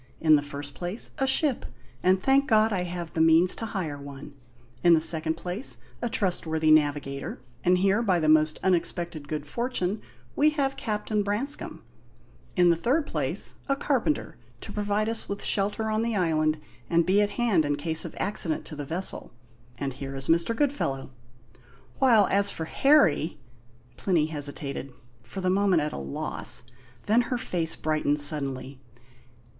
In the first place, a ship and thank God I have means to hire one, in the second place, a trustworthy navigator and here, by the most unexpected good fortune, we have Captain Branscome; in the third place, a carpenter, to provide us with shelter on the island and be at hand in case of accident to the vessel and here is Mr. Goodfellow; while as for Harry " Plinny hesitated, for the moment at a loss; then her face brightened suddenly.